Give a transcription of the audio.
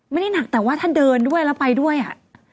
ไม่ได้หนักแต่ว่าถ้าเดินด้วยแล้วไปด้วยอ่ะ